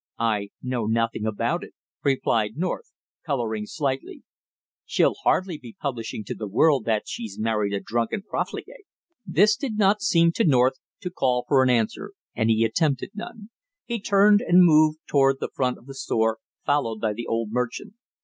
"I know nothing about it," replied North, coloring slightly. "She'll hardly be publishing to the world that she's married a drunken profligate " This did not seem to North to call for an answer, and he attempted none. He turned and moved toward the front of the store, followed by the old merchant.